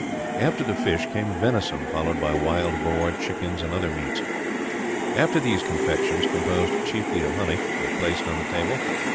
After the fish came venison, followed by wild boar, chickens, and other meats. After these confections, composed chiefly of honey, were placed on the table.